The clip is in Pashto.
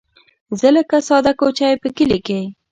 زه لکه ساده کوچۍ په کلي کې